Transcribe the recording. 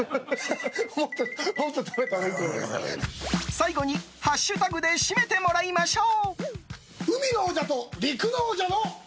最後にハッシュタグで締めてもらいましょう。